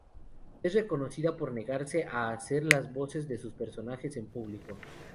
Es reconocida por negarse a hacer las voces de sus personajes en público.